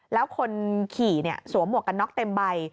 แล้วคนขี่สวมหมวกกันน็อกเต็มใบ